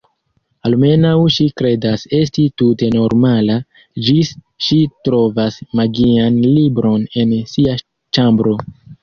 Almenaŭ ŝi kredas esti tute normala, ĝis ŝi trovas magian libron en sia ĉambro.